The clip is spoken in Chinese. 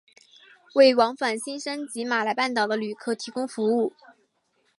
为往返新山及马来半岛的旅客提供服务。